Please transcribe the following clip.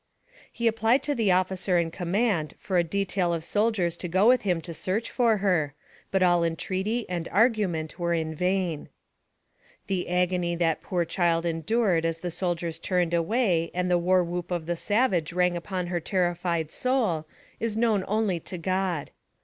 He applied to the officer in command for a detail of soldiers to go with him to search for her, but all en treaty and argument were in vain. The agony that poor child endured as the soldiers turned away, and the war whoop of the savage rang upon her terrified soul, is known only to God.